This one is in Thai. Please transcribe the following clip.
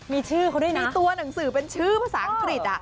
มีชื่อเขาด้วยนะมีตัวหนังสือเป็นชื่อภาษาอังกฤษ